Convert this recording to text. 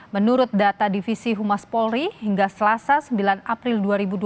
menurut data divisi humas polri hingga selasa sembilan april dua ribu dua puluh